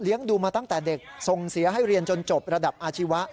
ดูมาตั้งแต่เด็กส่งเสียให้เรียนจนจบระดับอาชีวะ